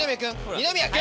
二宮君！